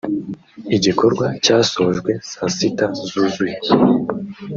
igikorwa cyasojwe saa sita zuzuye